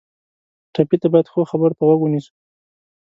ټپي ته باید ښو خبرو ته غوږ ونیسو.